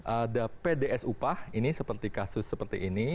ada pds upah ini seperti kasus seperti ini